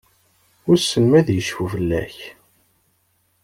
Wissen ma ad icfu fell-ak?